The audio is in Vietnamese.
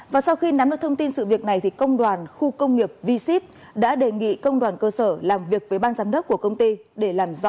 và sau khi nắm được thông tin sự việc này thì công đoàn khu công nghiệp v sip đã đề nghị công đoàn cơ sở làm việc với ban giám đốc của công ty để làm rõ sự việc